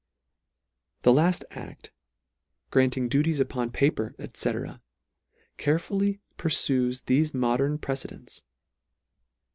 The laft act, granting duties upon paper, &c. carefully purfues theie modern prece dents.